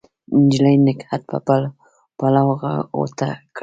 نجلۍ نګهت په پلو غوټه کړ